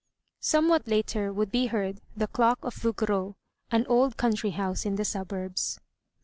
Somewhat later would be heard the clock of Vougereau, an old country house in the suburbs.